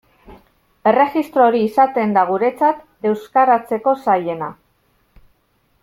Erregistro hori izaten da guretzat euskaratzeko zailena.